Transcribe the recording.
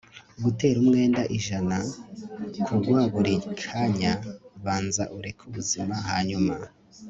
gutera umwenda ijana kugwa buri kanya banza ureke ubuzima hanyuma